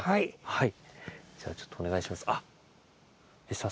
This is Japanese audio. はい。